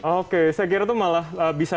oke saya kira itu malah bisa